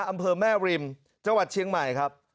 อำเภอแม่ริมจังหวัดเชียงใหม่ครับ